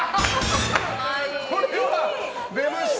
これは、出ました！